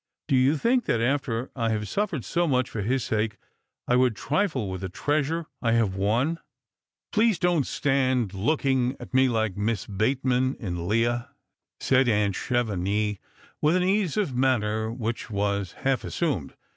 Do you think that after I have suffered so much for his sake I would trifle with the treasure I have won ?" "Please don't stand looking at me like Miss Bateman in Leah" said aunt Chevenix with an ease of manner which was half assumed.